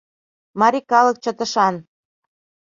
— Марий калык чытышан.